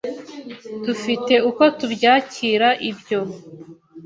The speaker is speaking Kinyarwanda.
dufite uko tubyakira ibyo